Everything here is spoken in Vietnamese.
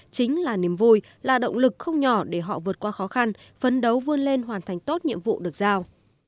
chính là niềm vui là động lực không nhỏ để họ vượt qua khó khăn phấn đấu vươn lên hoàn thành tốt nhiệm vụ được giao